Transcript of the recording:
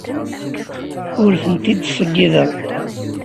Ur tent-id-ttṣeyyideɣ.